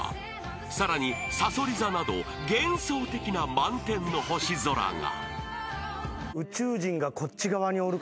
［さらにさそり座など幻想的な満天の星空が］